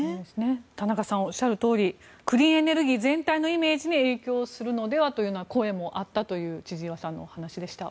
田中さんおっしゃるとおりクリーンエネルギー全体のイメージに影響するのではという声もあったという千々岩さんのお話でした。